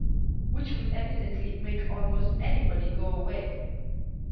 Which would evidently make almost anybody go away.